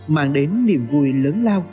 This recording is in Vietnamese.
mang đến niềm vui lớn lao